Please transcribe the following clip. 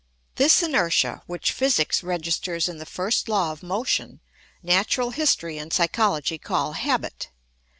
This inertia, which physics registers in the first law of motion, natural history and psychology call habit.